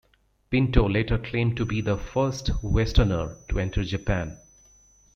Pinto later claimed to be the first westerner to enter Japan.